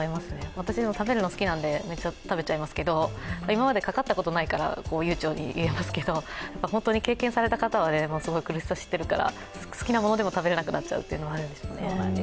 私も食べるの好きなのでめちゃ食べてしまうんですけれども今までかかったことないから悠長に言えますけれども、本当に経験された方は苦しさを知ってるから好きなものでも食べれなくなっちゃうことがあるんでじょうね。